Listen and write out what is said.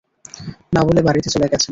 না বলে বাড়িতে চলে গেছেন।